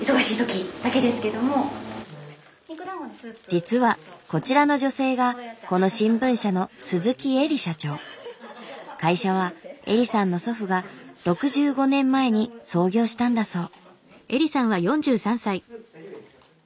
実はこちらの女性がこの新聞社の会社は英里さんの祖父が６５年前に創業したんだそう。